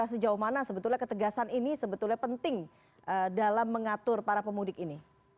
harus kita perhatikan